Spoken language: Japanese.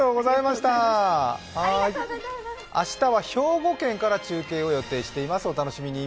明日は兵庫県から中継を予定しています、お楽しみに。